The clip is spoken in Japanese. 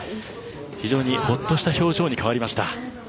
非常にほっとした表情に変わりました。